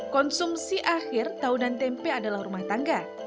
konsumsi akhir tahu dan tempe adalah rumah tangga